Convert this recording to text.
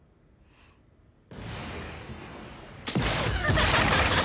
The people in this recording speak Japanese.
ハハハハハ！